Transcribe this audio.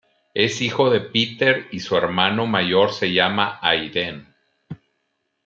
Es hijo de Peter y su hermano mayor se llama Aiden.